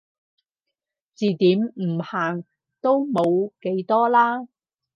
字典唔限都冇幾多啦